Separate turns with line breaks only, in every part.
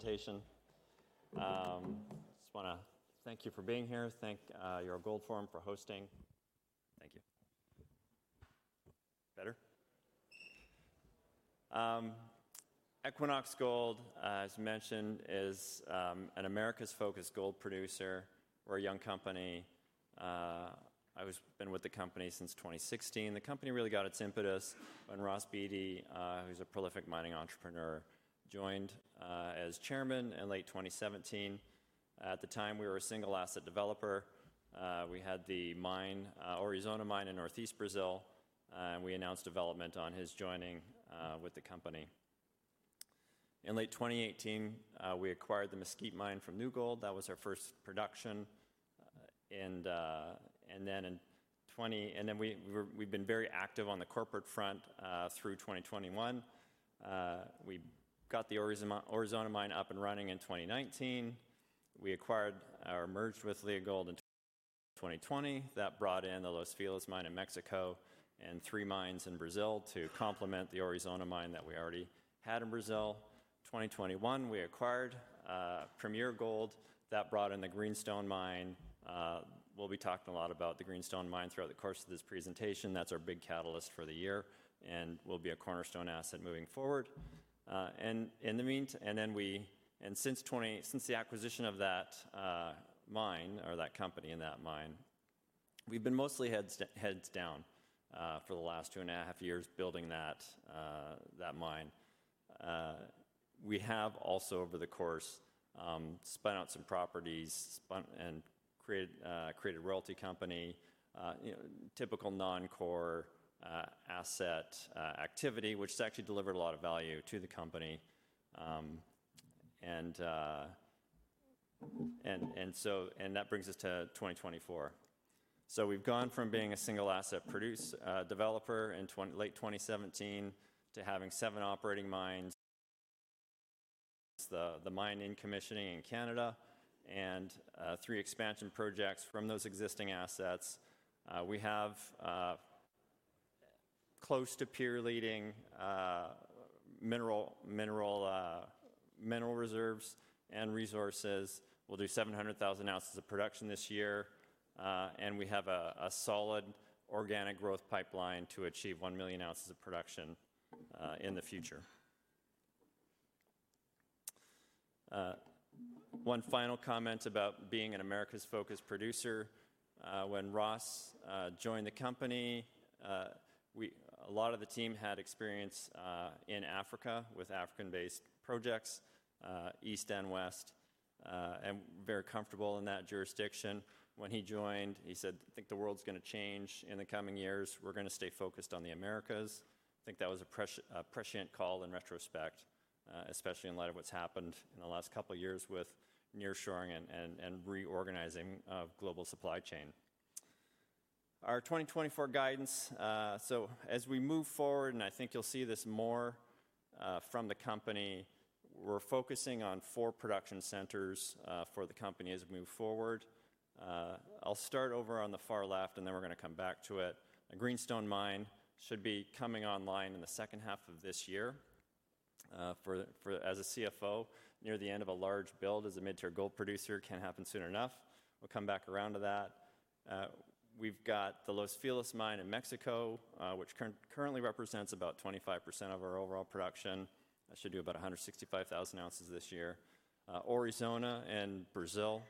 Presentation. I just want to thank you for being here, thank your Gold Forum for hosting. Thank you. Better? Equinox Gold, as mentioned, is an Americas-focused gold producer. We're a young company. I've been with the company since 2016. The company really got its impetus when Ross Beaty, who's a prolific mining entrepreneur, joined as chairman in late 2017. At the time, we were a single-asset developer. We had the Aurizona Mine in northeast Brazil, and we announced development upon his joining the company. In late 2018, we acquired the Mesquite Mine from New Gold. That was our first production. And then in 2020, we've been very active on the corporate front through 2021. We got the Aurizona Mine up and running in 2019. We acquired or merged with Leagold in 2020. That brought in the Los Filos Mine in Mexico and three mines in Brazil to complement the Aurizona Mine that we already had in Brazil. In 2021, we acquired Premier Gold. That brought in the Greenstone Mine. We'll be talking a lot about the Greenstone Mine throughout the course of this presentation. That's our big catalyst for the year, and we'll be a cornerstone asset moving forward. And in the meantime, since 2021, since the acquisition of that company and that mine, we've been mostly heads down for the last 2.5 years building that mine. We have also, over the course, spun out some properties and created a royalty company, you know, typical non-core asset activity, which has actually delivered a lot of value to the company. And that brings us to 2024. So we've gone from being a single-asset producer, developer in late 2017 to having seven operating mines, the mine in commissioning in Canada, and three expansion projects from those existing assets. We have close to peer-leading mineral reserves and resources. We'll do 700,000 ounces of production this year. And we have a solid organic growth pipeline to achieve one million ounces of production in the future. One final comment about being an Americas-focused producer. When Ross joined the company, we, a lot of the team, had experience in Africa with African-based projects, east and west, and very comfortable in that jurisdiction. When he joined, he said, "I think the world's going to change in the coming years. We're going to stay focused on the Americas." I think that was a prescient call in retrospect, especially in light of what's happened in the last couple of years with nearshoring and reorganizing of global supply chain. Our 2024 guidance, so as we move forward and I think you'll see this more from the company, we're focusing on four production centers for the company as we move forward. I'll start over on the far left, and then we're going to come back to it. A Greenstone Mine should be coming online in the second half of this year, for as a CFO, near the end of a large build as a mid-tier gold producer. Can't happen soon enough. We'll come back around to that. We've got the Los Filos Mine in Mexico, which currently represents about 25% of our overall production. That should do about 165,000 ounces this year. Aurizona in Brazil,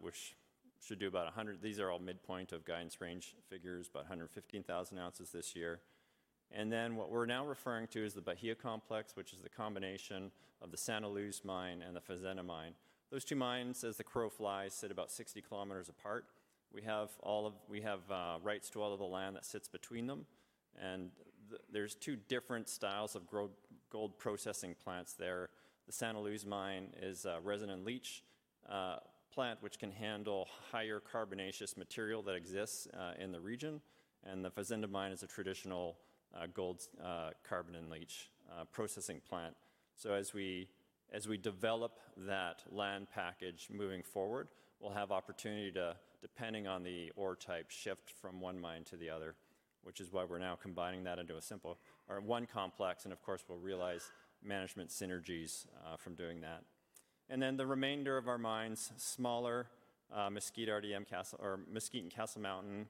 which should do about 100 these are all midpoint of guidance range figures, about 115,000 ounces this year. And then what we're now referring to is the Bahia Complex, which is the combination of the Santa Luz Mine and the Fazenda Mine. Those two mines, as the crow flies, sit about 60 km apart. We have all of the rights to all of the land that sits between them. And there's two different styles of gold processing plants there. The Santa Luz Mine is a resin-in-leach plant which can handle higher carbonaceous material that exists in the region. And the Fazenda Mine is a traditional gold carbon-in-leach processing plant. So as we develop that land package moving forward, we'll have opportunity to, depending on the ore type, shift from one mine to the other, which is why we're now combining that into a simple or one complex. And, of course, we'll realize management synergies from doing that. And then the remainder of our mines, smaller, Mesquite, RDM, Castle Mountain, or Mesquite and Castle Mountain.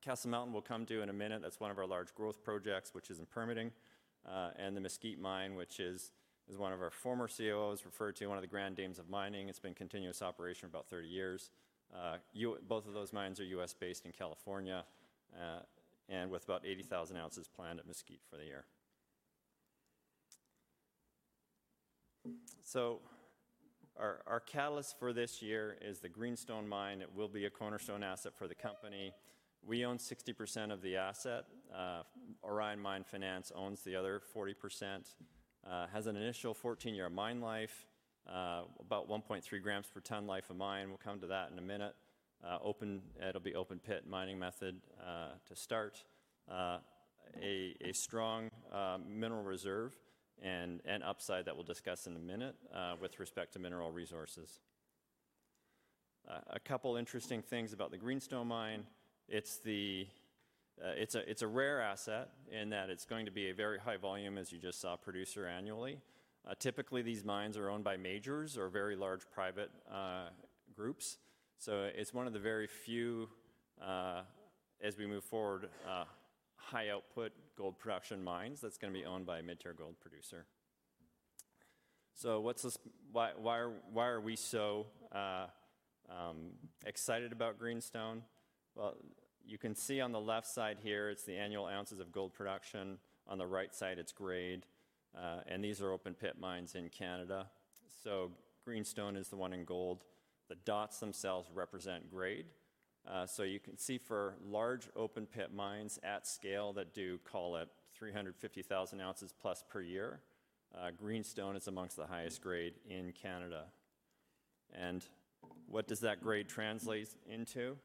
Castle Mountain we'll come to in a minute. That's one of our large growth projects, which is in permitting. And the Mesquite Mine, which is one of our former COOs referred to one of the grand dames of mining. It's been continuous operation for about 30 years. Both of those mines are U.S.-based in California, and with about 80,000 ounces planned at Mesquite for the year. So our catalyst for this year is the Greenstone Mine. It will be a cornerstone asset for the company. We own 60% of the asset. Orion Mine Finance owns the other 40%. It has an initial 14-year mine life, about 1.3 grams per ton life of mine. We'll come to that in a minute. It'll be open-pit mining method, to start. A strong mineral reserve and upside that we'll discuss in a minute, with respect to mineral resources. A couple interesting things about the Greenstone Mine. It's a rare asset in that it's going to be a very high volume, as you just saw, producer annually. Typically, these mines are owned by majors or very large private groups. So it's one of the very few, as we move forward, high-output gold production mines that's going to be owned by a mid-tier gold producer. So why are we so excited about Greenstone? Well, you can see on the left side here, it's the annual ounces of gold production. On the right side, it's grade. And these are open-pit mines in Canada. So Greenstone is the one in gold. The dots themselves represent grade. So you can see for large open-pit mines at scale that do, call it, 350,000 ounces plus per year, Greenstone is among the highest grade in Canada. And what does that grade translate into?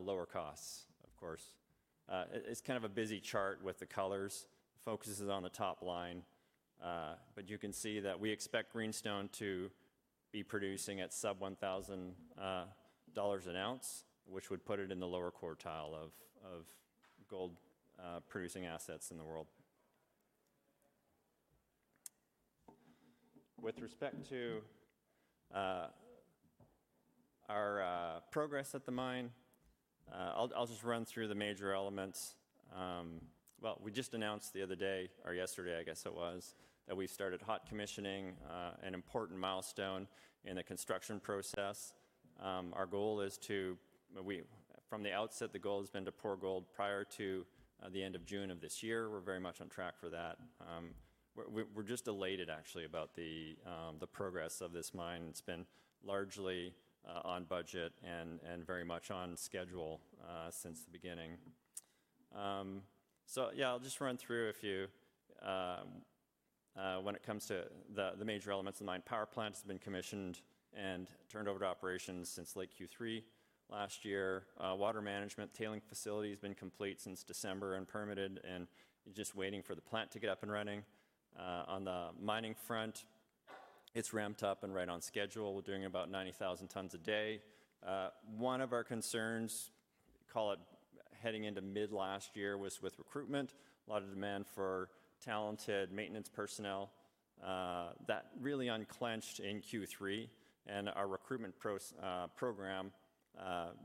Lower costs, of course. It's kind of a busy chart with the colors. Focuses on the top line. But you can see that we expect Greenstone to be producing at sub-$1,000 an ounce, which would put it in the lower quartile of gold producing assets in the world. With respect to our progress at the mine, I'll just run through the major elements. Well, we just announced the other day or yesterday, I guess it was, that we started hot commissioning, an important milestone in the construction process. Our goal is, from the outset, the goal has been to pour gold prior to the end of June of this year. We're very much on track for that. We're just delayed it, actually, about the progress of this mine. It's been largely on budget and very much on schedule since the beginning. So, yeah, I'll just run through a few. When it comes to the major elements of the mine, power plant has been commissioned and turned over to operations since late Q3 last year. Water management tailings facility has been complete since December and permitted. And you're just waiting for the plant to get up and running. On the mining front, it's ramped up and right on schedule. We're doing about 90,000 tons a day. One of our concerns, call it heading into mid-last year, was with recruitment, a lot of demand for talented maintenance personnel, that really unclenched in Q3. And our recruitment program,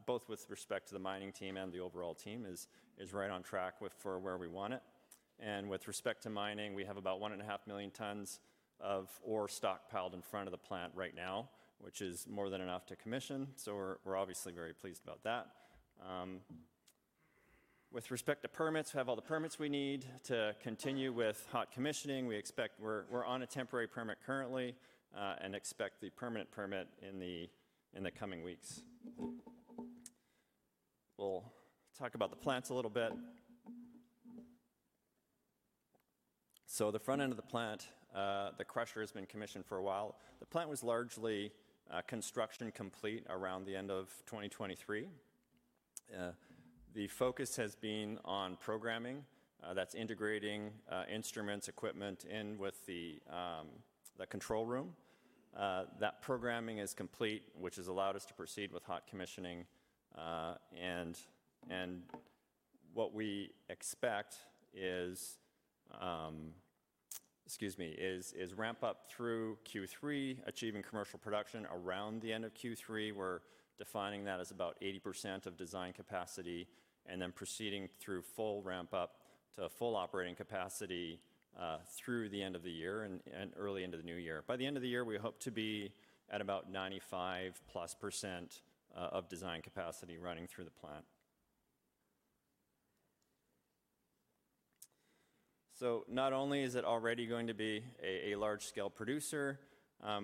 both with respect to the mining team and the overall team, is, is right on track with for where we want it. And with respect to mining, we have about 1.5 million tons of ore stockpiled in front of the plant right now, which is more than enough to commission. So we're, we're obviously very pleased about that. With respect to permits, we have all the permits we need to continue with hot commissioning. We expect we're on a temporary permit currently, and expect the permanent permit in the coming weeks. We'll talk about the plants a little bit. The front end of the plant, the crusher has been commissioned for a while. The plant was largely construction complete around the end of 2023. The focus has been on programming. That's integrating instruments, equipment in with the control room. That programming is complete, which has allowed us to proceed with hot commissioning. And what we expect is ramp up through Q3, achieving commercial production. Around the end of Q3, we're defining that as about 80% of design capacity and then proceeding through full ramp up to full operating capacity, through the end of the year and early into the new year. By the end of the year, we hope to be at about 95%+ of design capacity running through the plant. So not only is it already going to be a large-scale producer,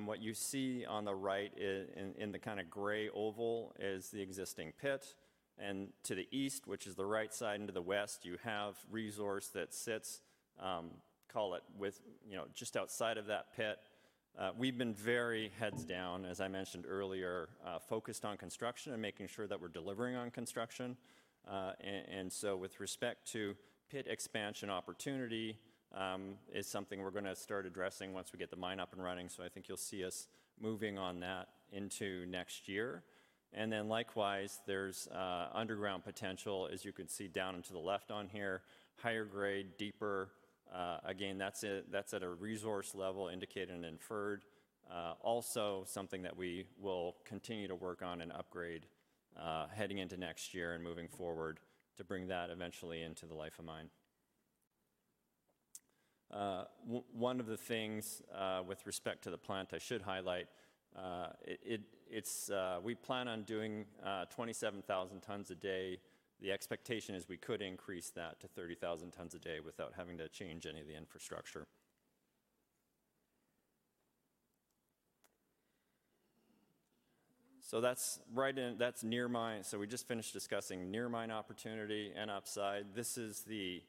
what you see on the right is in the kind of gray oval is the existing pit. And to the east, which is the right side, and to the west, you have resource that sits, call it with, you know, just outside of that pit. We've been very heads down, as I mentioned earlier, focused on construction and making sure that we're delivering on construction. And so with respect to pit expansion opportunity, is something we're going to start addressing once we get the mine up and running. So I think you'll see us moving on that into next year. Then likewise, there's underground potential, as you can see down to the left on here, higher grade, deeper. Again, that's at a resource level indicated and inferred, also something that we will continue to work on and upgrade, heading into next year and moving forward to bring that eventually into the life of mine. One of the things with respect to the plant I should highlight, it's we plan on doing 27,000 tons a day. The expectation is we could increase that to 30,000 tons a day without having to change any of the infrastructure. So that's right in near mine. So we just finished discussing near mine opportunity and upside. This is the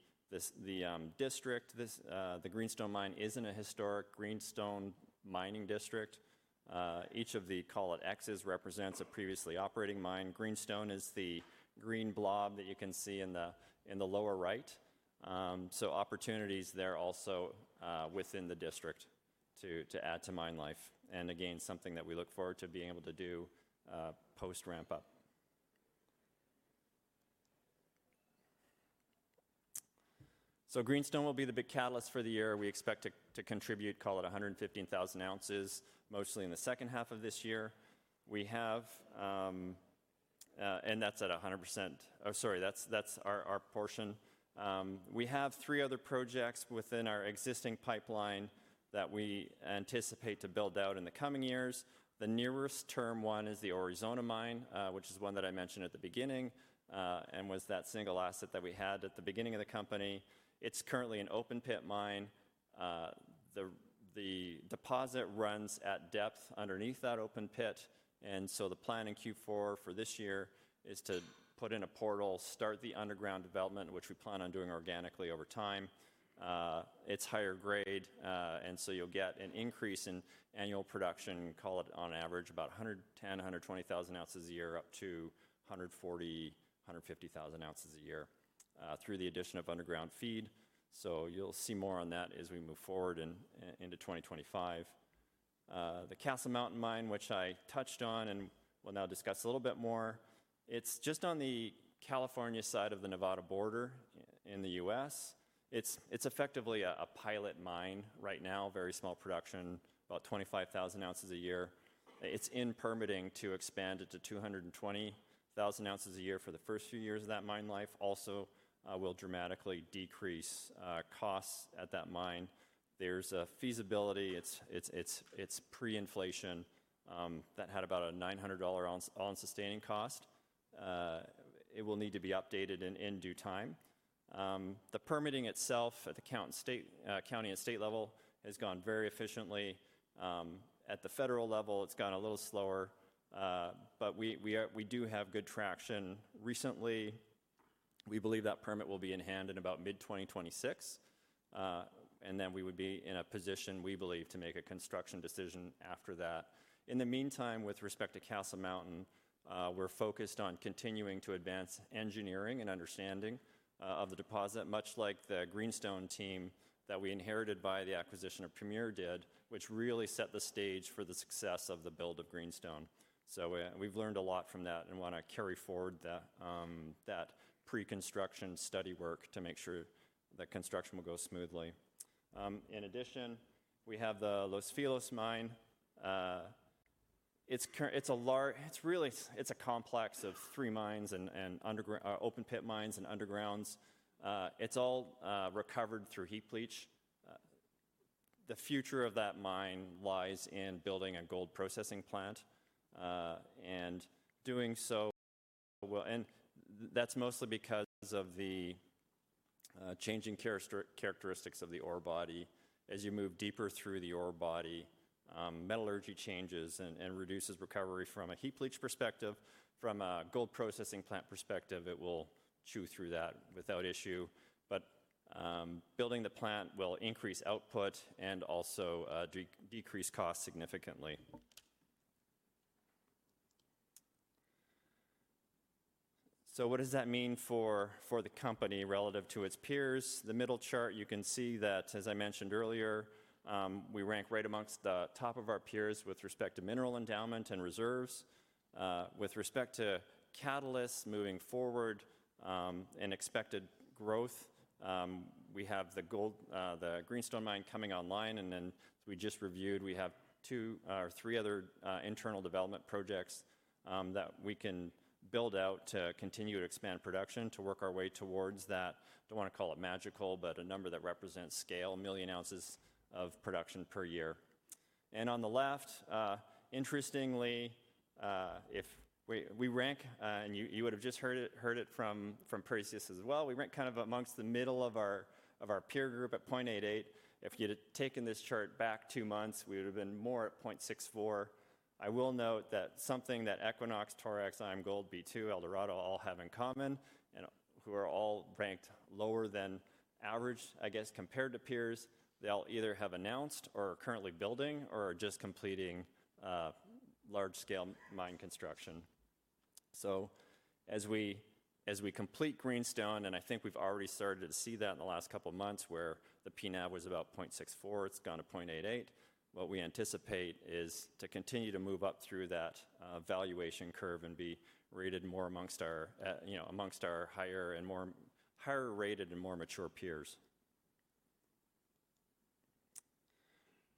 district. This, the Greenstone Mine is in a historic Greenstone mining district. Each of the, call it, X represents a previously operating mine. Greenstone is the green blob that you can see in the lower right. So opportunities there also, within the district to add to mine life. And again, something that we look forward to being able to do, post-ramp up. So Greenstone will be the big catalyst for the year. We expect to contribute, call it, 115,000 ounces, mostly in the second half of this year. We have, and that's at 100%, oh, sorry. That's our portion. We have three other projects within our existing pipeline that we anticipate to build out in the coming years. The nearest-term one is the Aurizona Mine, which is one that I mentioned at the beginning, and was that single asset that we had at the beginning of the company. It's currently an open-pit mine. The deposit runs at depth underneath that open pit. So the plan in Q4 for this year is to put in a portal, start the underground development, which we plan on doing organically over time. It's higher grade, and so you'll get an increase in annual production, call it, on average, about 110,000-120,000 ounces a year, up to 140,000-150,000 oz a year, through the addition of underground feed. So you'll see more on that as we move forward and into 2025. The Castle Mountain Mine, which I touched on and will now discuss a little bit more, it's just on the California side of the Nevada border in the U.S. It's effectively a pilot mine right now, very small production, about 25,000 ounces a year. It's in permitting to expand it to 220,000 ounces a year for the first few years of that mine life. Also, will dramatically decrease costs at that mine. There's a feasibility. It's pre-inflation, that had about a $900 all-in sustaining cost. It will need to be updated in due time. The permitting itself at the county and state level has gone very efficiently. At the federal level, it's gone a little slower. But we are, we do have good traction. Recently, we believe that permit will be in hand in about mid-2026. And then we would be in a position, we believe, to make a construction decision after that. In the meantime, with respect to Castle Mountain, we're focused on continuing to advance engineering and understanding of the deposit, much like the Greenstone team that we inherited by the acquisition of Premier did, which really set the stage for the success of the build of Greenstone. So we've learned a lot from that and want to carry forward that pre-construction study work to make sure that construction will go smoothly. In addition, we have the Los Filos Mine. It's currently a large, really a complex of three mines and underground and open-pit mines and undergrounds. It's all recovered through heap leach. The future of that mine lies in building a gold processing plant. And doing so will, and that's mostly because of the changing characteristics of the ore body. As you move deeper through the ore body, metallurgy changes and reduces recovery from a heap leach perspective. From a gold processing plant perspective, it will chew through that without issue. But building the plant will increase output and also decrease costs significantly. So what does that mean for the company relative to its peers? The middle chart, you can see that, as I mentioned earlier, we rank right amongst the top of our peers with respect to mineral endowment and reserves. With respect to catalysts moving forward, and expected growth, we have the gold, the Greenstone Mine coming online. And then as we just reviewed, we have two or three other, internal development projects, that we can build out to continue to expand production, to work our way towards that I don't want to call it magical, but a number that represents scale, million ounces of production per year. And on the left, interestingly, if we rank, and you would have just heard it from previous as well, we rank kind of amongst the middle of our peer group at 0.88. If you'd have taken this chart back two months, we would have been more at 0.64. I will note that something that Equinox, Torex, IAMGOLD, B2, Eldorado, all have in common and who are all ranked lower than average, I guess, compared to peers, they'll either have announced or are currently building or are just completing, large-scale mine construction. So as we complete Greenstone, and I think we've already started to see that in the last couple of months where the P/NAV was about 0.64, it's gone to 0.88, what we anticipate is to continue to move up through that, valuation curve and be rated more amongst our, you know, amongst our higher and more higher-rated and more mature peers.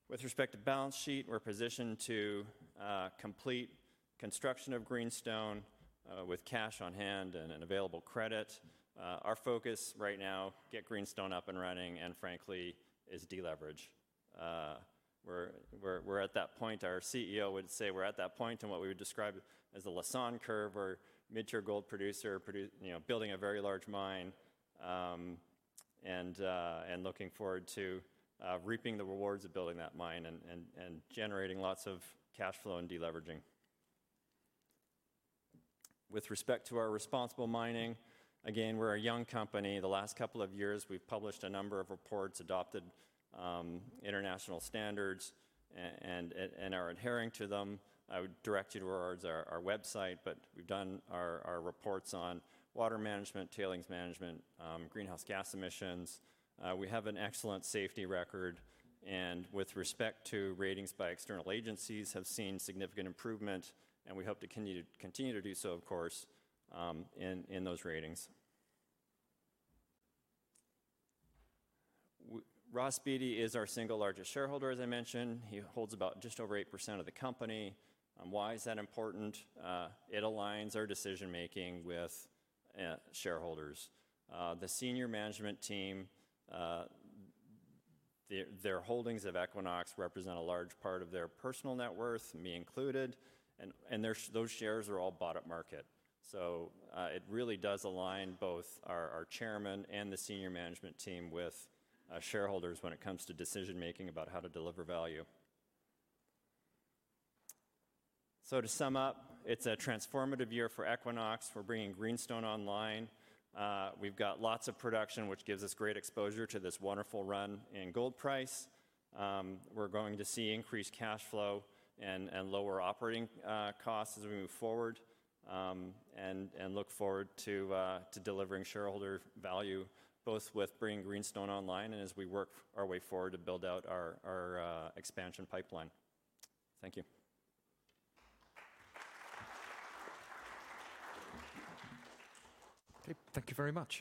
With respect to balance sheet, we're positioned to, complete construction of Greenstone, with cash on hand and an available credit. Our focus right now, get Greenstone up and running, and frankly, is deleverage. We're at that point. Our CEO would say we're at that point in what we would describe as the S-curve, where mid-tier gold producer produce, you know, building a very large mine, and, and, looking forward to, reaping the rewards of building that mine and, and, and generating lots of cash flow and deleveraging. With respect to our responsible mining, again, we're a young company. The last couple of years, we've published a number of reports adopted, international standards and, and, and are adhering to them. I would direct you towards our, our website, but we've done our, our reports on water management, tailings management, greenhouse gas emissions. We have an excellent safety record. And with respect to ratings by external agencies, have seen significant improvement. And we hope to continue to continue to do so, of course, in, in those ratings. Ross Beaty is our single largest shareholder, as I mentioned. He holds about just over 8% of the company. Why is that important? It aligns our decision-making with shareholders. The senior management team, their holdings of Equinox represent a large part of their personal net worth, me included. And their shares are all bought up market. So, it really does align both our chairman and the senior management team with shareholders when it comes to decision-making about how to deliver value. So to sum up, it's a transformative year for Equinox. We're bringing Greenstone online. We've got lots of production, which gives us great exposure to this wonderful run in gold price. We're going to see increased cash flow and lower operating costs as we move forward, and look forward to delivering shareholder value both with bringing Greenstone online and as we work our way forward to build out our expansion pipeline. Thank you.
Okay. Thank you very much.